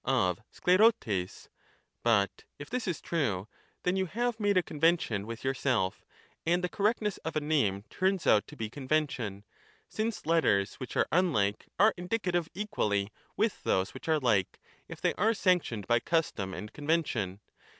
of OKATfpdTTjg. But if this is true, then you have made a convention with yourself, and the correctness of a name turns out to be convention, since letters which are unlike are indicative equally with those which are like, if they are sanctioned by custom and convention.